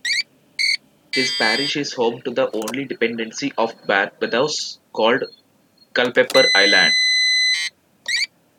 This parish is home to the only 'dependency' of Barbados called Culpepper Island.